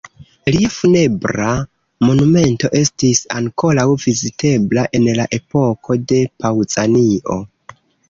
Lia funebra monumento estis ankoraŭ vizitebla en la epoko de Paŭzanio.